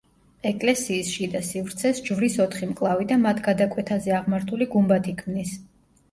ეკლესიის შიდა სივრცეს ჯვრის ოთხი მკლავი და მათ გადაკვეთაზე აღმართული გუმბათი ქმნის.